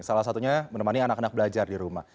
salah satunya menemani anak anak belajar di rumah